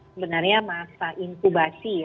sebenarnya masa inkubasi